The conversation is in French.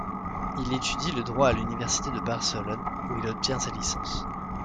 Il étudie le droit à l'université de Barcelone, où il obtient sa licence.